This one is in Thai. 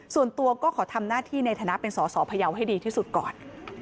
ส่วนตัวก็ขอทำหน้าที่ในฐานะเป็นสอสอพยาวให้ดีที่สุดก่อน